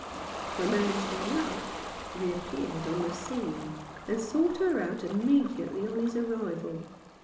The man she loved reappeared on the scene, and sought her out immediately on his arrival.